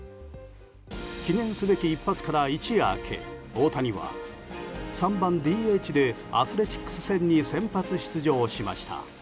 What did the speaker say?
記念すべき一発から一夜明け大谷は３番ＤＨでアスレチックス戦に先発出場しました。